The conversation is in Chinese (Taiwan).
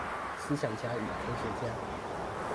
思想家與科學家